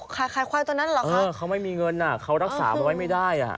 ขายขายควายตัวนั้นเหรอคะเออเขาไม่มีเงินอ่ะเขารักษาเอาไว้ไม่ได้อ่ะ